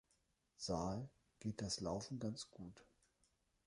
Sal geht das Laufen ganz gut.